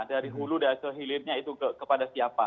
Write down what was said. dari hulu dan sehilirnya itu kepada siapa